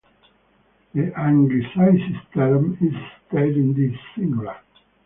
The anglicized term is stade in the singular.